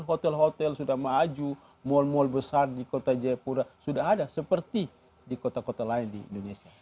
hotel hotel sudah maju mal mal besar di kota jayapura sudah ada seperti di kota kota lain di indonesia